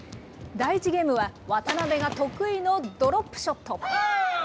第１ゲームは、渡辺が得意のドロップショット。